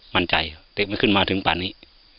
มั่นใจเด็กไม่ขึ้นมาถึงป่านนี้